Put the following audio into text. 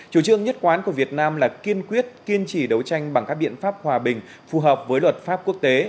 chủ trương nhất quán của việt nam là kiên quyết kiên trì đấu tranh bằng các biện pháp hòa bình phù hợp với luật pháp quốc tế